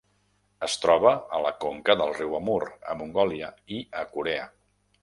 Es troba a la conca del riu Amur, a Mongòlia i a Corea.